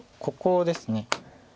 ここですね。